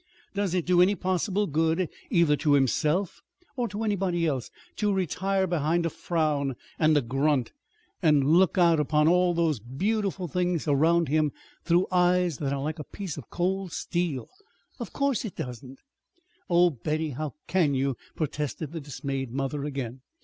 "Does it do any possible good, either to himself or to anybody else, to retire behind a frown and a grunt, and look out upon all those beautiful things around him through eyes that are like a piece of cold steel? Of course it doesn't!" "Oh, Betty, how can you!" protested the dismayed mother again.